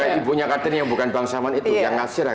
ibunya kartini yang bukan bangsa man itu yang ngasirah